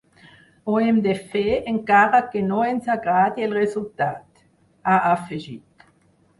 “Ho hem de fer encara que no ens agradi el resultat”, ha afegit.